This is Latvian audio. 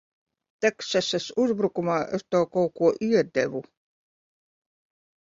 Teksasas uzbrukumā es tev kaut ko iedevu.